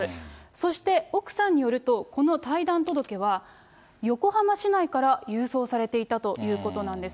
そして奥さんによると、この退団届は、横浜市内から郵送されていたということなんです。